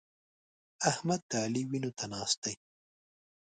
احمد د علي وينو ته ناست دی.